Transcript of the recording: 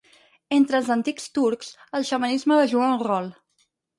Entre els antics turcs el xamanisme va jugar un rol.